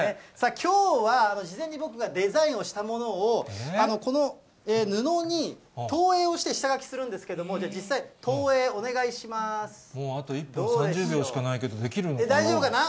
きょうは事前に僕がデザインをしたものを、この布に投影をして、下書きするんですけれども、実際、もうあと１分３０秒しかない大丈夫かな？